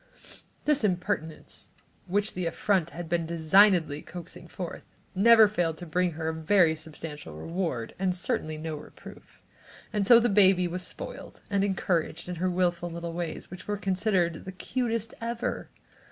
This impertinence, which the affront had been designedly coaxing forth, never failed to bring her a very substantial reward, and certainly no reproof. And so the baby was spoiled and encouraged in her wilful little ways which were considered the "cutest ever."